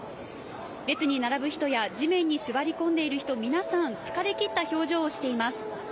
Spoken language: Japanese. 列に並ぶ人や地面に座り込んでいる人、皆さん、疲れ切った表情をしています。